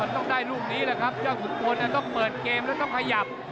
ต้องได้ลูกนี้อะครับย่ากถุรกลแล้วต้องมัดเกมแล้วต้องขยับ